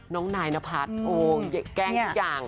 น้องนายนพัฒน์โอ้แกล้งทุกอย่าง